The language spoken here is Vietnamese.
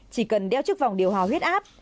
chỉ cần đeo chức vòng điều hòa huyết áp